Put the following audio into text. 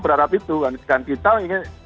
berharap itu kan kita ingin